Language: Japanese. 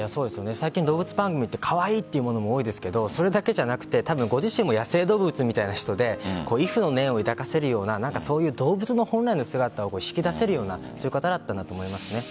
最近、動物番組ってカワイイというものが多いですがそれだけじゃなくてご自身も野生動物みたいな人で畏怖の念を抱かせるような動物の本来の姿を引き出せるような方だったんだなと思います。